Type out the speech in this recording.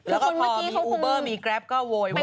แล้วก็พอมีอูเบอร์มีแกรปก็โว๊ยวาย